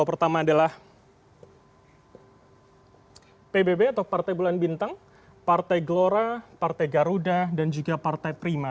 pertama adalah pbb atau partai bulan bintang partai gelora partai garuda dan juga partai prima